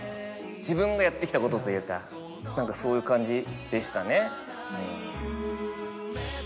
自分がやってきたことというか何かそういう感じでしたね。